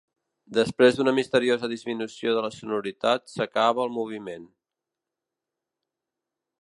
Després d'una misteriosa disminució de la sonoritat s'acaba el moviment.